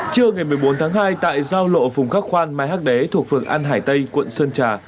trưa ngày một mươi bốn tháng hai tại giao lộ phùng khắc khoan mai hắc đế thuộc phường an hải tây quận sơn trà